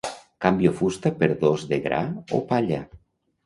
Canvio fusta per dos de gra o palla.